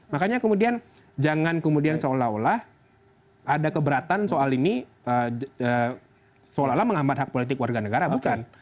makanya kemudian jangan kemudian seolah olah ada keberatan soal ini seolah olah menghambat hak politik warga negara bukan